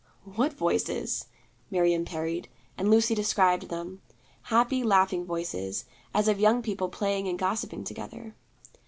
'What voices?' Miriam parried; and Lucy described them: happy, laughing voices, as of young people playing and gossiping together.